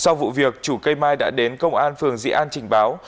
sau vụ việc chủ cây mai đã đến công an phường dị an trình báo